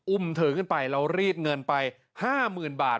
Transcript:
อุ้มเถอะขึ้นไปแล้วรีดเงินไป๕หมื่นบาท